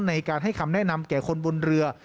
ในการให้คำแนะนำแก่คนบนเรือ